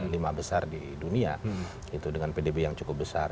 lima besar di dunia dengan pdb yang cukup besar